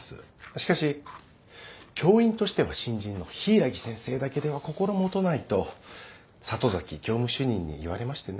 しかし教員としては新人の柊木先生だけでは心もとないと里崎教務主任に言われましてね。